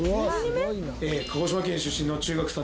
鹿児島県出身の中学３年生です。